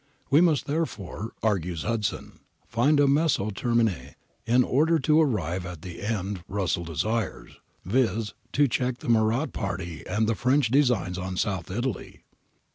We must therefore, argues Hudson, find a 7nezzo terviine in order to arrive at the end Russell desires, viz, to check the Murat party and the P>cnch designs on South Italy.